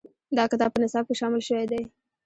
دا کتاب په نصاب کې شامل شوی دی.